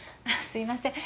すいません。